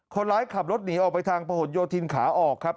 คนร้ายขับรถหนีออกไปทางประหลโยธินขาออกครับ